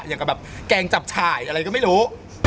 อย่างกับแบบแกงจับฉ่ายอะไรก็ไม่รู้